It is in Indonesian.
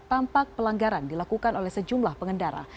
tampak pelanggaran dilakukan oleh sejumlah pengendara